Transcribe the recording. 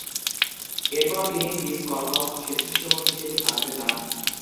এরপর তিনি peace corps স্বেচ্ছাসেবক হিসেবে ভারতে যান।